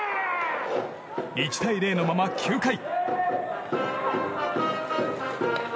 １対０のまま、９回。